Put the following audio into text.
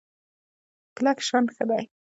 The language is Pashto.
کلک شان ښه دی.